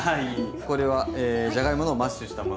これはじゃがいものマッシュしたもの？